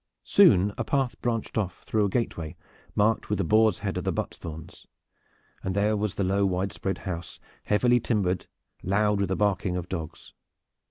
Soon a path branched off through a gateway marked with the boar heads of the Buttesthorns, and there was the low widespread house heavily timbered, loud with the barking of dogs.